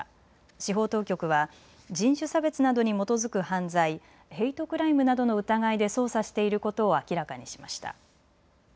司法当局は人種差別などに基づく犯罪、ヘイトクライムなどの疑いで捜査していることを明らかにしました。